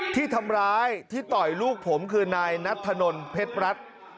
ที่ทำร้ายที่ต่อยลูกผมคือนายนัทธนลเพชรรัฐ